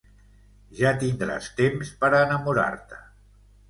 Ja tindràs temps per a enamorar-te.